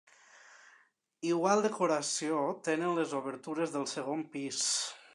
Igual decoració tenen les obertures del segon pis.